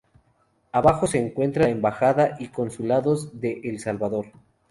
Abajo se encuentra las embajada y consulados de El Salvador.